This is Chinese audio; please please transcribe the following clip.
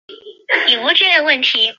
在场上司职门将。